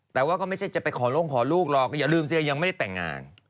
แต่ว่าก็ไม่ใช่จะไปขอลงขอลูกหรอกอย่าลืมสิยังไม่ได้แต่งงาน